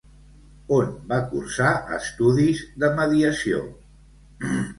On va cursar estudis de mediació?